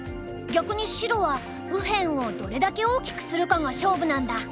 逆に白は右辺をどれだけ大きくするかが勝負なんだ。